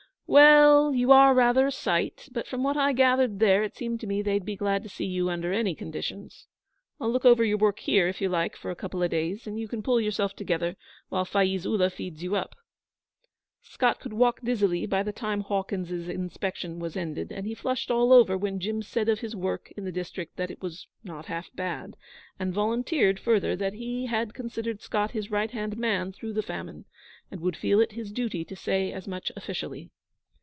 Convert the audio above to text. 'Well, you are rather a sight, but from what I gathered there it seemed to me they'd be glad to see you under any conditions. I'll look over your work here, if you like, for a couple of days, and you can pull yourself together while Faiz Ullah feeds you up.' Scott could walk dizzily by the time Hawkins's inspection vas ended, and he flushed all over when Jim said of his work in the district that it was 'not half bad,' and volunteered, further, that he had considered Scott his right hand man through the famine, and would feel it his duty to say as much officially.